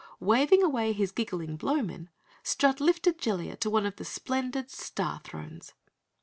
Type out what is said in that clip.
Waving away his giggling Blowmen, Strut lifted Jellia to one of the splendid Star Thrones.